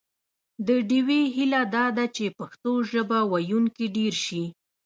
د ډیوې هیله دا ده چې پښتو ژبه ویونکي ډېر شي